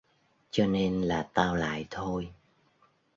cho nên là tao lại thôi